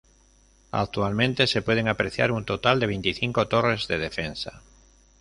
Actualmente se pueden apreciar un total de veinticinco torres de defensa.